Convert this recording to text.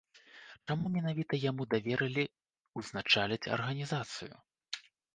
Чаму менавіта яму даверылі ўзначаліць арганізацыю?